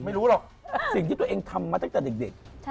ไม่รู้หรอกสิ่งที่ตัวเองทำมาตั้งแต่เด็ก